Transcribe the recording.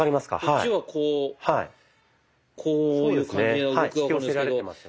こっちはこうこういう感じで動きが分かるんですけど。